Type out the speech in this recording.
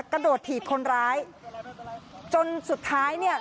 กระโดดถีบคนร้ายจนสุดท้ายเนี่ย